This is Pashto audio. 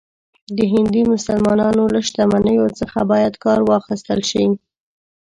د هندي مسلمانانو له شتمنیو څخه باید کار واخیستل شي.